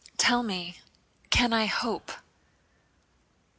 Tell me, can I hope?